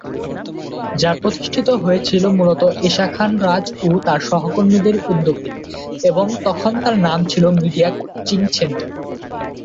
যা প্রতিষ্ঠিত হয়েছিল মূলত ঈশা খান রাজ ও তার সহকর্মীদের উদ্যোগে এবং তখন এর নাম ছিল মিডিয়া কোচিং সেন্টার।